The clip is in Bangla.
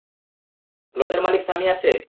লজের মালিক সামি আছে?